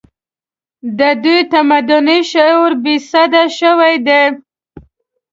د دوی تمدني شعور بې سده شوی دی